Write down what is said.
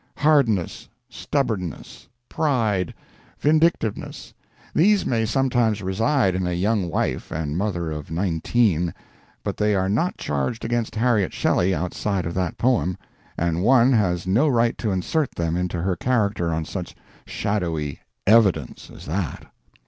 Hardness, stubbornness, pride, vindictiveness these may sometimes reside in a young wife and mother of nineteen, but they are not charged against Harriet Shelley outside of that poem, and one has no right to insert them into her character on such shadowy "evidence" as that.